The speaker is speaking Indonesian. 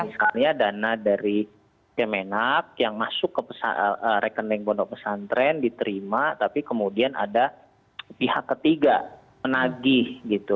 misalnya dana dari kemenak yang masuk ke rekening pondok pesantren diterima tapi kemudian ada pihak ketiga menagih gitu